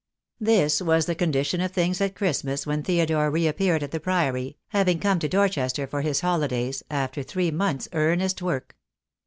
This was the condition of things at Christmas when Theodore reappeared at the Priory, having come to Dor chester for his holidays, after three months' earnest work.